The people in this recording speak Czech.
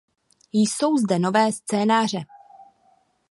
Jsou zde nové scénáře.